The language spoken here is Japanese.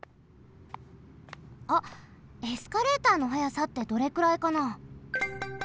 あっエスカレーターの速さってどれくらいかな？